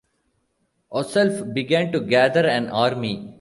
Osulf began to gather an army.